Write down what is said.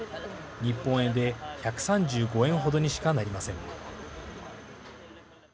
日本円で１３５円ほどにしかなりません。